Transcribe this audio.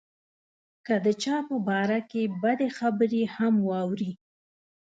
که د چا په باره کې بدې خبرې هم واوري.